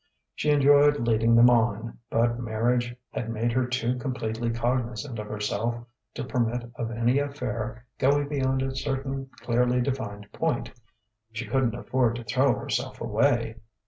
She enjoyed leading them on, but marriage had made her too completely cognizant of herself to permit of any affair going beyond a certain clearly defined point: she couldn't afford to throw herself away.